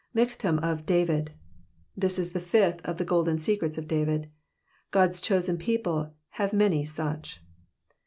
Miohtam of David. This is the Fxflh of ike Golden Secrets of David: God's du>sen people kav^ many suck.